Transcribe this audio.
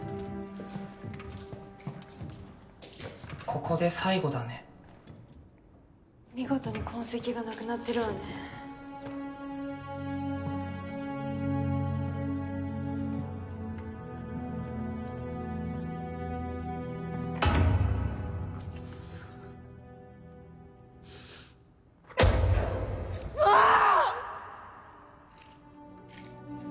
ここで最後だね見事に痕跡がなくなってるわねクソックソー！